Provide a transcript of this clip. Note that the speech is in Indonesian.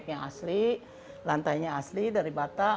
yang asli lantainya asli dari batak